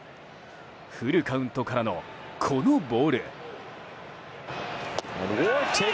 フルカウントからのこのボール。